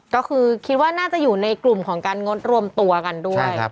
ก็คือคิดว่าน่าจะอยู่ในกลุ่มของการงดรวมตัวกันด้วย